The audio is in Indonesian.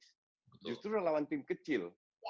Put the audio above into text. justru lawan tim kecil